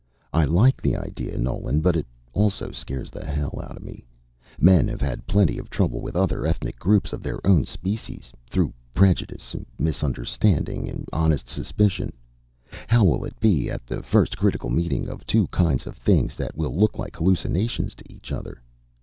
I like the idea, Nolan, but it also scares the hell out of me. Men have had plenty of trouble with other ethnic groups of their own species, through prejudice, misunderstanding, honest suspicion. How will it be at the first critical meeting of two kinds of things that will look like hallucinations to each other?